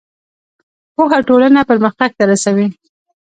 پوهه ټولنه پرمختګ ته رسوي.